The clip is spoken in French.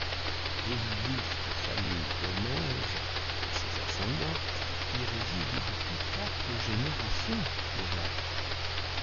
L'illustre famille Domange, et ses ascendants, y réside depuis quatre générations déjà.